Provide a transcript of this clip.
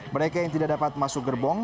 mereka yang tidak dapat masuk gerbong